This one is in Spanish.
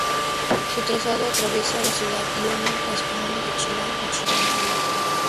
Su trazado atraviesa la ciudad y une las comunas de Chillán y Chillán Viejo.